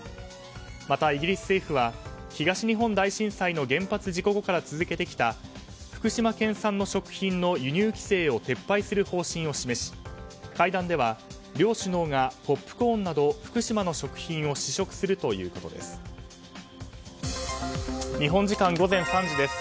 また、イギリス政府は東日本大震災の原発事故後から続けてきた福島県産の食品の輸入規制を撤廃する方針を示し会談では両首脳がポップコーンなど福島の食品を試食するということです。